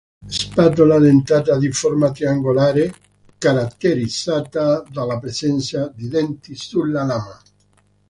Spatola dentata di forma triangolare, caratterizzata dalla presenza di denti sulla lama.